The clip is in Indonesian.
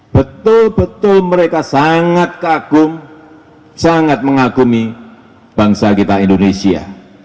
betul betul mereka sangat kagum sangat mengagumi bangsa kita indonesia